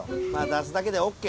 出すだけでＯＫ。